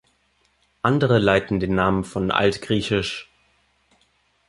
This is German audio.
Andere leiten den Namen von altgr.